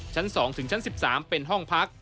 ชั้น๒ถึงชั้น๑๓เป็นห้องพัก